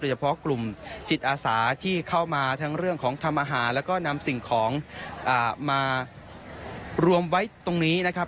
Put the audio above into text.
เฉพาะกลุ่มจิตอาสาที่เข้ามาทั้งเรื่องของทำอาหารแล้วก็นำสิ่งของมารวมไว้ตรงนี้นะครับ